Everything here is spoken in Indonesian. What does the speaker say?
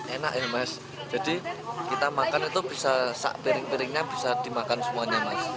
enak ya mas jadi kita makan itu bisa piring piringnya bisa dimakan semuanya mas